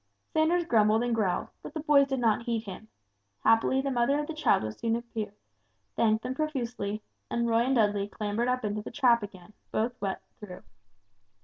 Sanders grumbled and growled, but the boys did not heed him. Happily the mother of the child soon appeared, thanked them profusely, and Roy and Dudley clambered up into the trap again, both wet through.